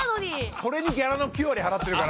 それにギャラの９割払ってるから。